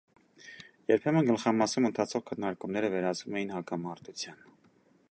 Երբեմն գլխամասում ընթացող քննարկումները վերածվում էին հակամարտության։